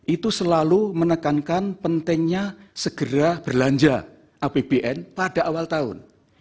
itu selalu menekankan pentingnya segera berlanja apbn pada awal tahun